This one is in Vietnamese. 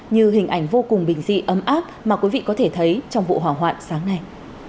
như hình ảnh vô cùng bình dị ấm áp mà quý vị có thể thấy trong vụ hỏa hoạn sáng nay